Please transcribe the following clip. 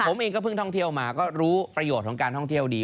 ผมเองก็เพิ่งท่องเที่ยวมาก็รู้ประโยชน์ของการท่องเที่ยวดี